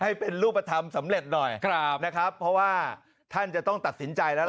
ให้เป็นรูปธรรมสำเร็จหน่อยครับนะครับเพราะว่าท่านจะต้องตัดสินใจแล้วล่ะ